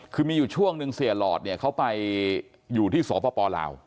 คือมีอยู่ช่วงหนึ่งเสียหลอดเนี่ยเขาไปอยู่ที่สปลาว